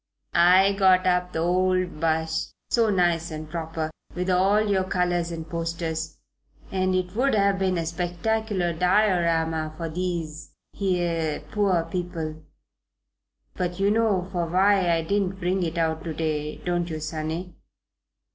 "I got up the old 'bus so nice and proper, with all your colours and posters, and it would have been a spectacular Diorama for these 'ere poor people; but you know for why I didn't bring it out to day, don't you, sonny?"